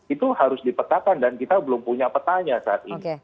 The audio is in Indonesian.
itu harus dipetakan dan kita belum punya petanya saat ini